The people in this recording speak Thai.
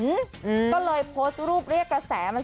อืมก็เลยโพสต์รูปเรียกกระแสมัน